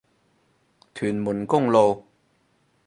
屯門公路